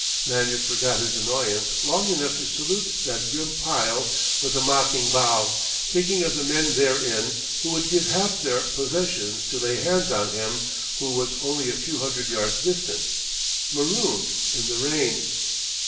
Lanyard forgot his annoyance long enough to salute that grim pile with a mocking bow, thinking of the men therein who would give half their possessions to lay hands on him who was only a few hundred yards distant, marooned in the rain!...